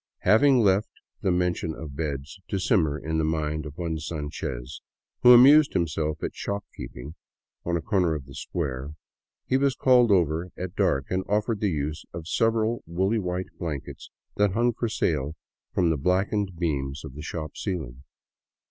Having left the mention of beds to simmer in the mind of one Sanchez, who amused himself at shop keeping on a corner of the square, he was called over at dark and offered the use of several woolly white blankets that hung for sale from the blackened beams of the shop ceiling.